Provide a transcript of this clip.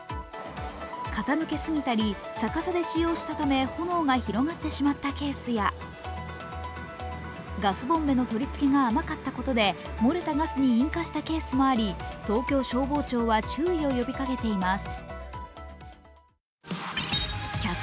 傾けすぎたり逆さで使用したため炎が広がってしまったケースやガスボンベの取り付けが甘かったことで漏れたガスに引火したケースもあり東京消防庁は注意を呼びかけています。